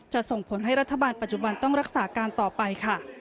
ส่งผลให้รัฐบาลปัจจุบันต้องรักษาการต่อไปค่ะ